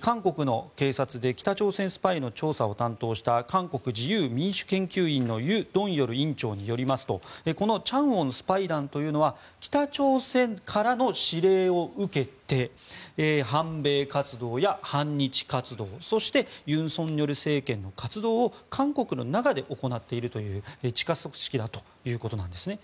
韓国の警察で北朝鮮スパイの調査を担当した韓国・自由民主研究院のユ・ドンヨル院長によりますとこの昌原スパイ団というのは北朝鮮からの指令を受けて反米運動や反日運動そして反尹錫悦政権の活動を韓国の中で行っているという地下組織だということですね。